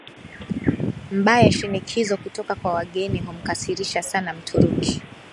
Mbaya Shinikizo kutoka kwa wageni humkasirisha sana Mturuki